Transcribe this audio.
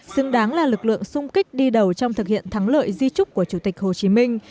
xứng đáng là lực lượng sung kích đi đầu trong thực hiện thắng lợi di trúc của chủ tịch hồ chí minh